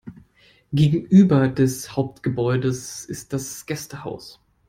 Gegenüber des Hauptgebäudes ist das Gästehaus.